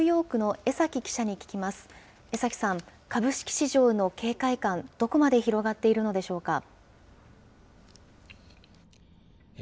江崎さん、株式市場の警戒感、どこまで広がっているのでしょうか。